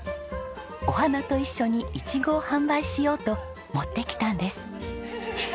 お花と一緒にイチゴを販売しようと持ってきたんです。